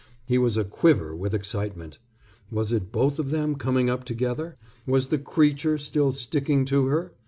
He was a quiver with excitement. Was it both of them coming up together? Was the creature still sticking to her?